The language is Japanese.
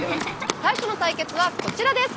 最初の対決はこちらです。